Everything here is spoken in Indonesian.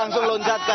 banggar ya pak ya